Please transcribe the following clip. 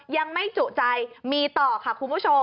ยังไม่จุใจมีต่อค่ะคุณผู้ชม